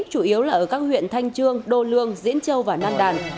chủ yếu là ở các huyện thanh trương đô lương diễn châu và nam đàn